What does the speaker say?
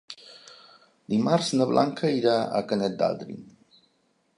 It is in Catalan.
Dimarts na Blanca irà a Canet d'Adri.